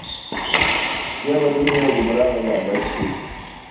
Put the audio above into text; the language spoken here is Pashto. بيا به درومي او ګمراه به د ابد شي